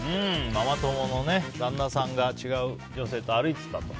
ママ友の旦那さんが違う女性と歩いてたと。